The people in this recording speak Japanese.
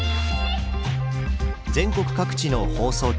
全国各地の放送局